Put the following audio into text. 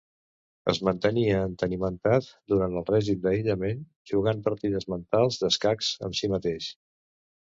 Es mantenia entenimentat durant el règim d'aïllament jugant partides mentals d'escacs amb si mateix.